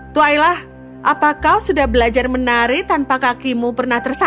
twaila apa kau sudah belajar menari tanpa kakimu pernah tersayang